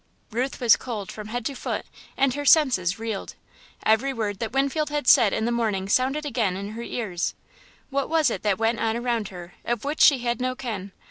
Ruth was cold from head to foot, and her senses reeled. Every word that Winfield had said in the morning sounded again in her ears. What was it that went on around her, of which she had no ken?